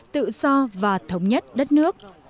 tự do và thống nhất đất nước